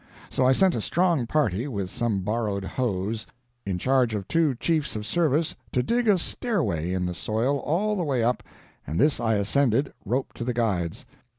So I sent a strong party, with some borrowed hoes, in charge of two chiefs of service, to dig a stairway in the soil all the way up, and this I ascended, roped to the guides.